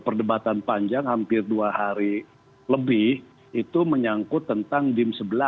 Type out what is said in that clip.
perdebatan panjang hampir dua hari lebih itu menyangkut tentang dim sebelas